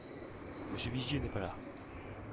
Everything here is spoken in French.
Monsieur Vigier n’est pas là